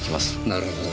なるほど。